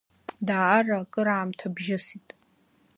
Даара акыраамҭа бжьысит.